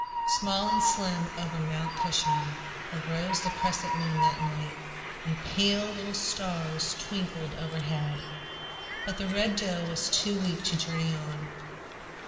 Small and slim over Mount Cushman arose the crescent moon that night, and pale little stars twinkled overhead, but the Red Doe was too weak to journey on.